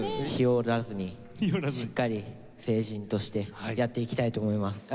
ひよらずにしっかり成人としてやっていきたいと思います。